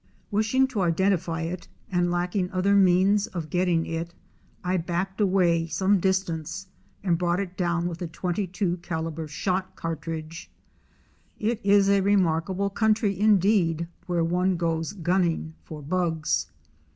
Wishing to identify it and lacking other means of getting it, I backed away some distance and brought it down with a 22 calibre shot cartridge. It isa remarkable country indeed where one goes gunning for bugs!